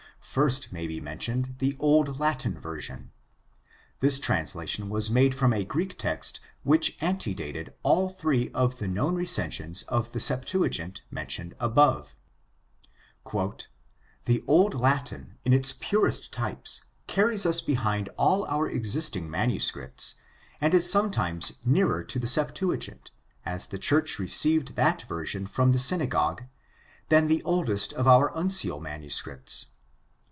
First may be mentioned the Old Latin Version. This translation was made from a Greek text which antedated all three of the known recensions of the Septuagint mentioned above. "The Old Latin, in its purest types, carries us behind all our existing MSS and is sometimes nearer to the Septuagint, as the church received that version from the Synagogue, than the oldest of our uncial MSS.